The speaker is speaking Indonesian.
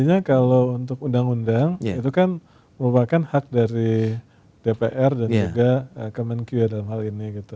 artinya kalau untuk undang undang itu kan merupakan hak dari dpr dan juga kemenkyu ya dalam hal ini gitu